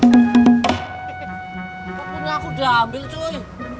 kok punya aku udah ambil cuy